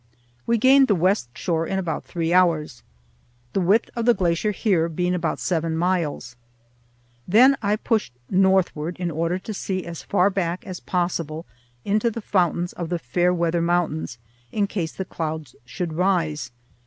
We gained the west shore in about three hours; the width of the glacier here being about seven miles. Then I pushed northward in order to see as far back as possible into the fountains of the Fairweather Mountains, in case the clouds should rise.